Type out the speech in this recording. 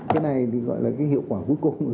cái này thì gọi là cái hiệu quả vô cùng